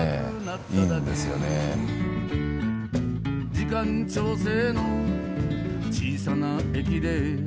「時間調整の小さな駅で」